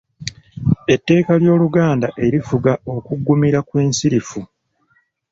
Etteeka ly’Oluganda erifuga okuggumira kw’ensirifu.